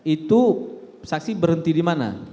itu saksi berhenti di mana